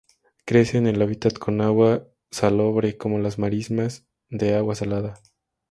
Crece en el hábitat con agua salobre, como las marismas de agua salada.